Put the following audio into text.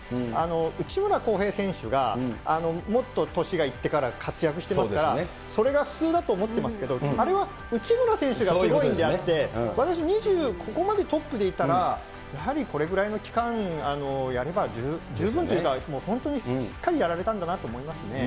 内村航平選手がもっと年がいってから活躍してますから、それが普通だと思ってますけど、あれは内村選手がすごいんであって、私、ここまでトップでいたら、やはりこれぐらいの期間やれば十分、十分というか、もう本当にしっかりやられたんだなと思いますね。